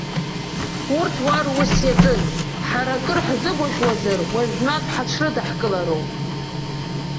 Урҭ уа рус иаҿыз, ҳара, акыр ҳзыгәаӷьуазар, уажәнатә ҳаҽрыдаҳкылароуп.